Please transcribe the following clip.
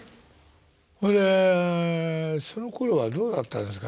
ほいでそのころはどうだったんですか？